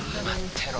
てろ